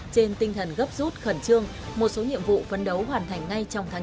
trên tinh thần gấp rút khẩn trương một số nhiệm vụ phấn đấu hoàn thành ngay trong tháng chín